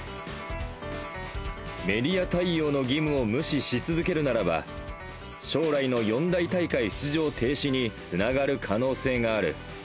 メディア対応の義務を無視し続けるならば、将来の四大大会出場停止につながる可能性がある。